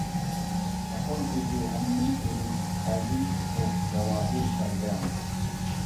ئەقىل كۆزى ھەممىنى كۆرۈپ، ئەلدىن قۇتلۇق جاۋاھىر تەرگەن.